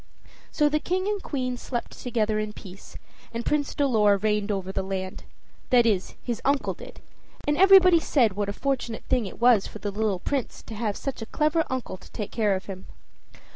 So the King and Queen slept together in peace, and Prince Dolor reigned over the land that is, his uncle did; and everybody said what a fortunate thing it was for the poor little Prince to have such a clever uncle to take care of him.